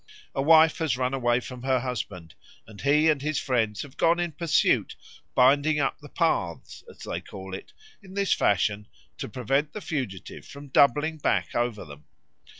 A wife has run away from her husband, and he and his friends have gone in pursuit, binding up the paths, as they call it, in this fashion to prevent the fugitive from doubling back over them.